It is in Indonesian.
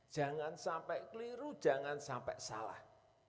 jangan sampai keliru jangan sampai salah